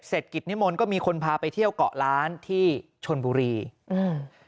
กิจนิมนต์ก็มีคนพาไปเที่ยวเกาะล้านที่ชนบุรีอืม